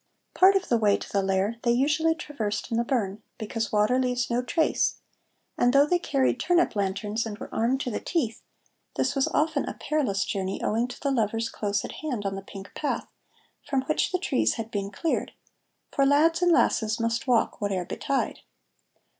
Part of the way to the lair they usually traversed in the burn, because water leaves no trace, and though they carried turnip lanterns and were armed to the teeth, this was often a perilous journey owing to the lovers close at hand on the pink path, from which the trees had been cleared, for lads and lasses must walk whate'er betide.